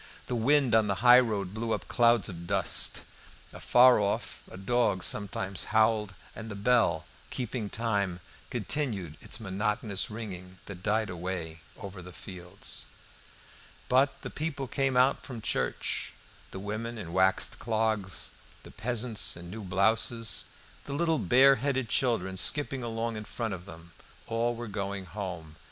The wind on the highroad blew up clouds of dust. Afar off a dog sometimes howled; and the bell, keeping time, continued its monotonous ringing that died away over the fields. But the people came out from church. The women in waxed clogs, the peasants in new blouses, the little bare headed children skipping along in front of them, all were going home.